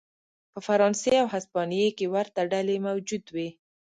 په فرانسې او هسپانیې کې ورته ډلې موجود وې.